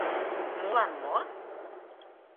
Молан мо?